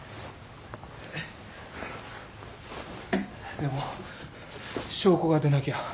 でも証拠が出なきゃ。